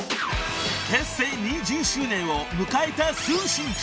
［結成２０周年を迎えた四星球］